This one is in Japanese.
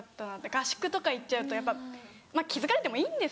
合宿とか行っちゃうとやっぱ気付かれてもいいんですけど。